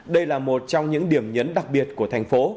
đây là một trong những điểm nhấn đặc biệt của thành phố